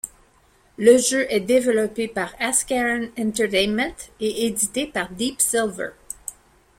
Le jeu est développé par Ascaron Entertainment et édité par Deep Silver.